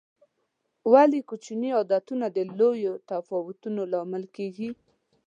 ولې کوچیني عادتونه د لویو تفاوتونو لامل کېږي؟